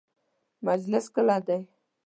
مجلس کله دی؟